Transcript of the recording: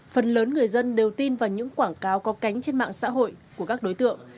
phần lớn người dân đều tin vào những quảng cáo có cánh trên mạng xã hội của các đối tượng